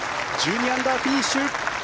１２アンダーフィニッシュ。